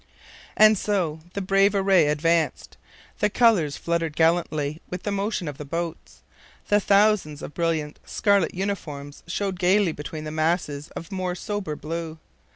And so the brave array advanced. The colours fluttered gallantly with the motion of the boats. The thousands of brilliant scarlet uniforms showed gaily between the masses of more sober blue.